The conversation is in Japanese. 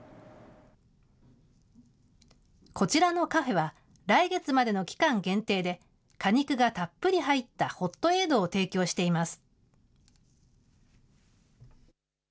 こちらのカフェは、来月までの期間限定で、果肉がたっぷり入ったホットエードを提供しています。